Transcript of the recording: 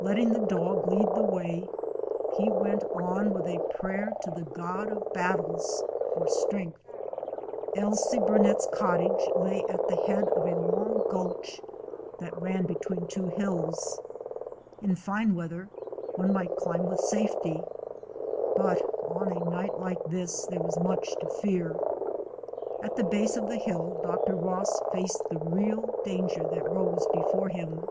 Letting the dog lead the way, he went on with a prayer to the God of Battles for strength. Ailsie Burnet's cottage lay at the head of a long gulch that ran between two hills. In fine weather one might climb with safety, but on a night like this there was much to fear. At the base of the hill Dr. Ross faced the real danger that rose before him.